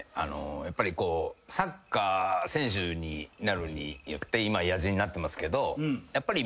やっぱりこうサッカー選手になることによって今野人になってますけどやっぱり。